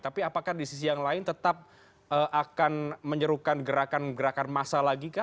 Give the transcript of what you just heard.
tapi apakah di sisi yang lain tetap akan menyerukan gerakan gerakan massa lagi kah